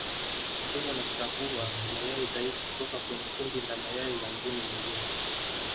mbuni anachagua mayai dhaifu kutoka kwenye kundi la mayai ya mbuni wengine